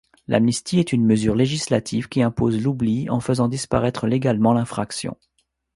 L’amnistie est une mesure législative qui impose l’oubli en faisant disparaître légalement l’infraction.